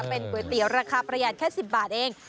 เป็นก๋วยเตี๋ยวราคาประหยัดแค่๑๐บาทเอง